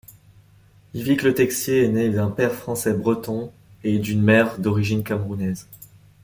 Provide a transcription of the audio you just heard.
Yvick Letexier est né d'un père français breton et d'une mère d'origine camerounaise.